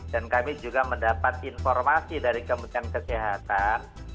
dan kami juga mendapat informasi dari kementerian kesehatan